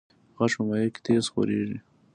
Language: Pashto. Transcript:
غږ په مایع کې تیز خپرېږي.